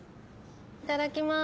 いただきます。